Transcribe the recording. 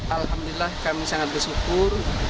alhamdulillah kami sangat bersyukur